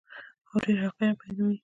او ډیر حقایق بیانوي.